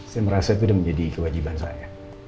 saya merasa itu sudah menjadi kewajiban saya